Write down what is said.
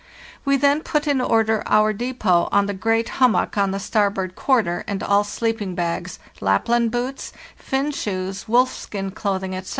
We then put in order our depot on the great hummock on the star board quarter, and all sleeping bags, Lapland boots, Finn shoes, wolfskin clothing, etc.